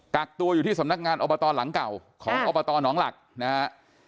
กักตัวอยู่ที่สำนักงานอบตหลังเก่าของอบตหนองหลักนะฮะ